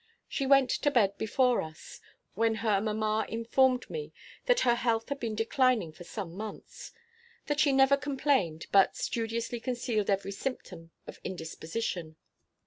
She went to bed before us, when her mamma informed me that her health had been declining for some months; that she never complained, but studiously concealed every symptom of indisposition.